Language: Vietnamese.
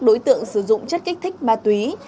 đối tượng sử dụng chất kích thích ma túy